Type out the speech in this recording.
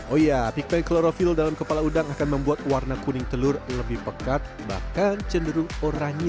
oh iya pikmen klorofil dalam kepala udang akan membuat warna kuning telur lebih pekat bahkan cenderung oranye